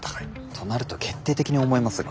となると決定的に思えますが。